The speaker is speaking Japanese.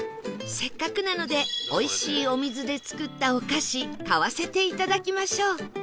せっかくなのでおいしいお水で作ったお菓子買わせていただきましょう